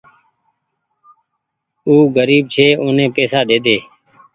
او گريب ڇي اوني پئيسا ڏيڌي۔